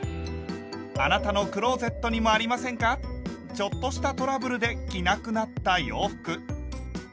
ちょっとしたトラブルで着なくなった洋服。